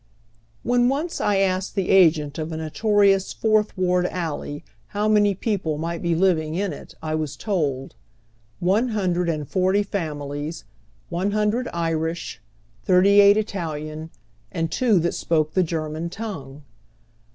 WHEN once I asked tlie agent of a notorious Fourth Ward a.]\ey liow many people might be living in it I was told : One hundred and forty families, one hnndred Irish, thirty eight Italian, and two that spoke the German tongue.